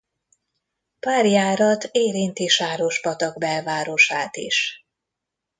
Pár járat érinti Sárospatak belvárosát is.